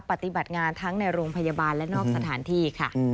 ปฏิบัติงานทั้งในโรงพยาบาลและนอกสถานที่ค่ะ